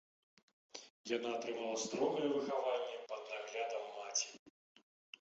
Яна атрымала строгае выхаванне пад наглядам маці.